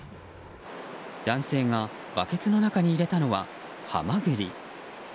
男性がバケツの中に入れたのはハマグリ。